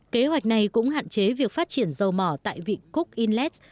kế hoạch này cũng hạn chế việc phát triển dầu mỏ tại vịnh cúc inlet